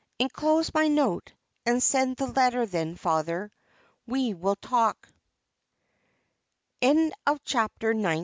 "Enclose my note, and send the letter; then, father, we will talk." CHAPTER XX.